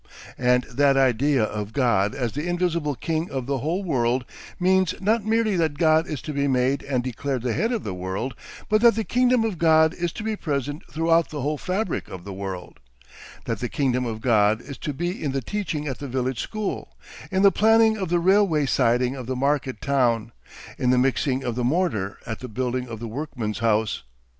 And that idea of God as the Invisible King of the whole world means not merely that God is to be made and declared the head of the world, but that the kingdom of God is to be present throughout the whole fabric of the world, that the Kingdom of God is to be in the teaching at the village school, in the planning of the railway siding of the market town, in the mixing of the mortar at the building of the workman's house.